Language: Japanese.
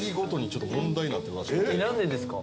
何でですか？